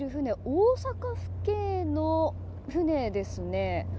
大阪府警の船ですね。